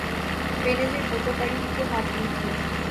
بینظیر بھٹو پڑھی لکھی خاتون تھیں۔